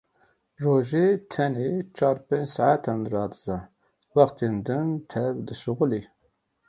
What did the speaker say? Rojê tenê çar pênc saetan radiza, wextên din tev dişixulî.